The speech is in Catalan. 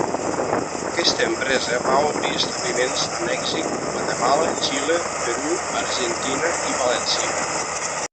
Aquesta empresa va obrir establiments a Mèxic, Guatemala, Xile, Perú, Argentina i València.